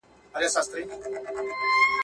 داسي په سوونو ښځو زنداني شپې سبا کولې